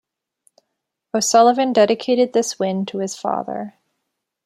O'Sullivan dedicated this win to his father.